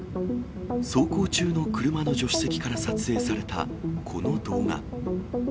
走行中の車の助手席から撮影されたこの動画。